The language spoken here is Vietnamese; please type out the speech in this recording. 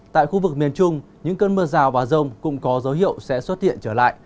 tại khu vực miền trung những cơn mưa rào và rông cũng có dấu hiệu sẽ xuất hiện trở lại